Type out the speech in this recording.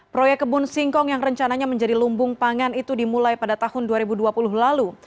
proyek kebun singkong yang rencananya menjadi lumbung pangan itu dimulai pada tahun dua ribu dua puluh lalu